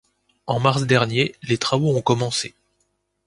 En mars dernier, les travaux ont commencé...